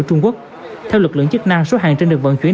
trung quốc theo lực lượng chức năng số hàng trên được vận chuyển